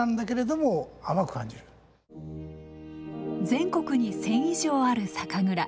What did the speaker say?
全国に１，０００以上ある酒蔵。